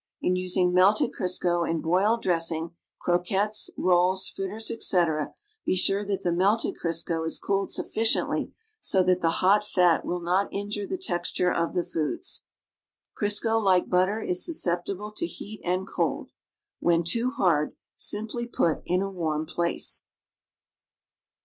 In using melted Crisco in boiled dressintj, croquettes, rolls, fritters, etc., be sure*that the melted Crisco is cooled suffi ciently so that the hot fat will not injure the texture of the foods. Crisco, like butter, is susceptible to heat and cold. When tool hard, simply put in a warm place.